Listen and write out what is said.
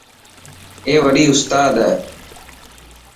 اي وڏو استاد هي.